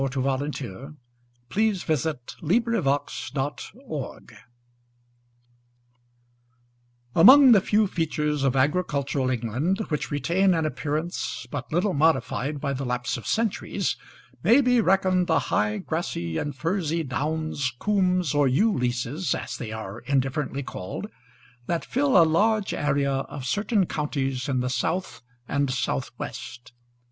THE THREE STRANGERS BY THOMAS HARDY Among the few features of agricultural England which retain an appearance but little modified by the lapse of centuries may be reckoned the high, grassy, and furzy downs, coombs, or eweleases, as they are indifferently called, that fill a large area of certain counties in the south and southwest.